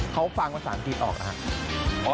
อ้อเค้าฟังภาษาอัมกิจออกค่ะ